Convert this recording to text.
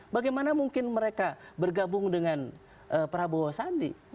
bagaimana mungkin mereka bergabung dengan prabowo sandi